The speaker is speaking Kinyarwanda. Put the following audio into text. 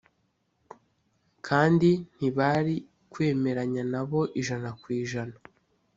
kandi ntibari kwemeranya nabo ijana ku ijana